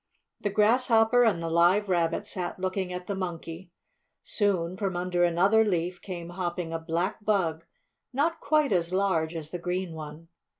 The Grasshopper and the Live Rabbit sat looking at the Monkey. Soon, from under another leaf, came hopping a black bug not quite as large as the green one.